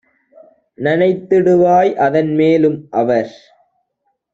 நனைத்திடு வாய்அதன் மேலும் - அவர்